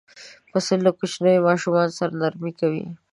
پسه له کوچنیو ماشومانو سره نرمي کوي.